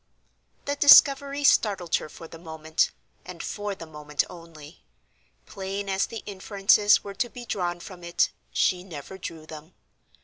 The discovery startled her for the moment, and for the moment only. Plain as the inferences were to be drawn from it, she never drew them.